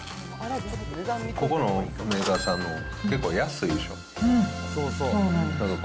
ここのメーカーさんの、結構、安いでしょ。